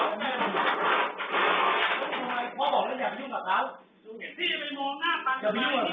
มันมีเกือบอะไรพี่ฟองบ้านนู้นทีว่ามองขาวเจ็บนู้นมันขึ้นมากี่ครั้ง